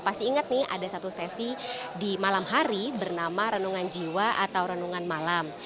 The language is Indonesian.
pasti inget nih ada satu sesi di malam hari bernama renungan jiwa atau renungan malam